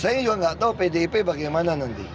saya juga nggak tahu pdip bagaimana nanti